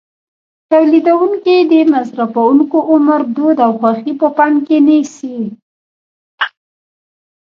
تولیدوونکي د مصرفوونکو عمر، دود او خوښې په پام کې نیسي.